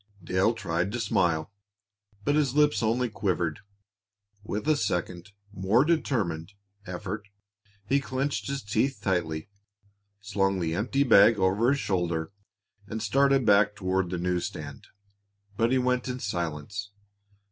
Dale tried to smile, but his lips only quivered. With a second, more determined, effort, he clenched his teeth tightly, slung the empty bag over his shoulder, and started back toward the news stand. But he went in silence.